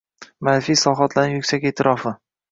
Ma’rifiy islohotlarning yuksak e’tirofing